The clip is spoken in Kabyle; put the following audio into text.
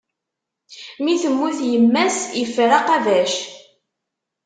Mi temmut yemma-s, iffer aqabac!